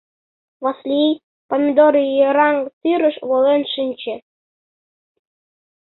Васлий помидор йыраҥ тӱрыш волен шинче.